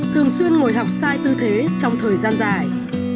thường xuyên ngồi học sai tư thế trong thời gian dài